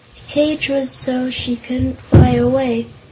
The cage was so she couldn't fly away.